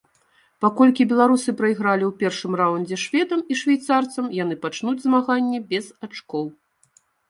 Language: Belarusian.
Паколькі беларусы прайгралі ў першым раўндзе шведам і швейцарцам, яны пачнуць змаганне без ачкоў.